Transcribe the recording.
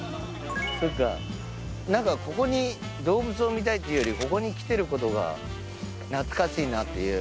動物を見たいっていうよりここに来てることが懐かしいなっていう。